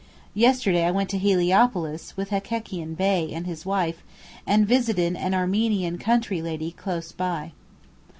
Yesterday I went to Heliopolis with Hekekian Bey and his wife, and visited an Armenian country lady close by.